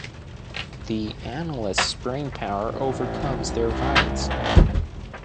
The analyst's brainpower overcomes their violence.